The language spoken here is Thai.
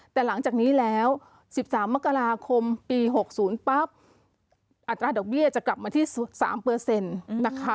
แต่หลังจากนี้แล้ว๑๓มกราคมปี๖๐ปั๊บอัตราดอกเบี้ยจะกลับมาที่๓นะคะ